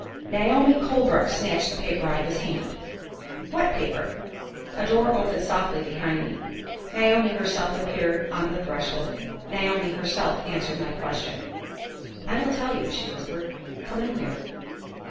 "Naomi Colebrook snatched the paper out of his hand." "What paper?" A door opened softly behind me. Naomi herself appeared on the threshold; Naomi herself answered my question. "I will tell you," she whispered. "Come in here."